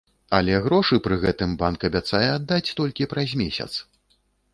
Але грошы пры гэтым банк абяцае аддаць толькі праз месяц.